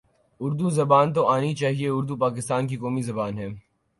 اردو زبان تو آنی چاہیے اردو پاکستان کی قومی زبان ہے